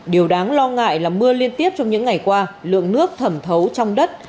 điều đáng lo ngại là mưa liên tiếp trong những ngày qua lượng nước thẩm thấu trong đất